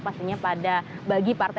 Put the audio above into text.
pastinya pada bagi partai